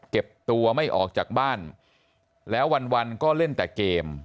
เก็บตัวไม่ออกจากบ้านแล้ววันก็เล่นแต่เกม